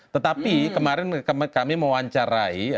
tetapi kemarin kami mewancarai